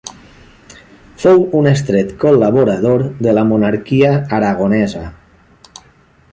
Fou un estret col·laborador de la monarquia aragonesa.